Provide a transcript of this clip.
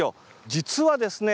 実はですね